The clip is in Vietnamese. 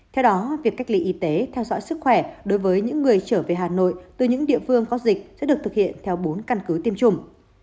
theo đó việc cách ly y tế theo dõi sức khỏe đối với những người trở về hà nội từ những địa phương có dịch sẽ được thực hiện theo bốn căn cứ tiêm chủng